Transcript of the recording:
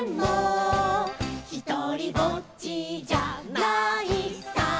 「ひとりぼっちじゃないさ」